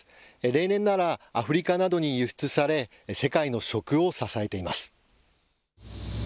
例年ならアフリカなどに輸出され、世界の食を支えています。